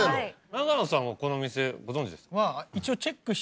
長野さんはこの店ご存じですか？